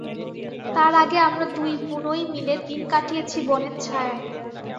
তার আগে আমরা দুই বুনোয় মিলে দিন কাটিয়েছি বনের ছায়ায়।